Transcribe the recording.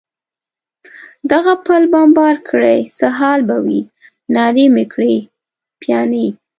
دغه پل بمبار کړي، څه حال به وي؟ نارې مې کړې: پیاني.